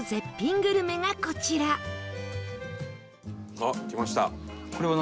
あっきました。